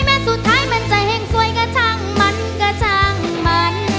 สุดท้ายมันจะแห่งสวยก็ช่างมันก็ช่างมัน